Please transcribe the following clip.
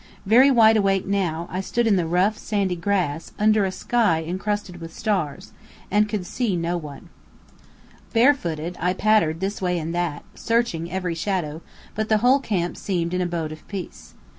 Very wide awake now, I stood in the rough, sandy grass, under a sky encrusted with stars, and could see no one. Barefooted, I pattered this way and that, searching every shadow, but the whole camp seemed an abode of peace.